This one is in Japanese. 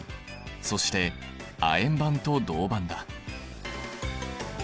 そして亜鉛板と銅板だ。